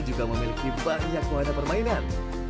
juga memiliki banyak wahana permainan